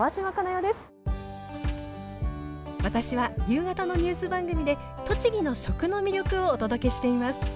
私は夕方のニュース番組で栃木の食の魅力をお届けしています。